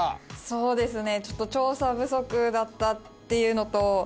そうですね。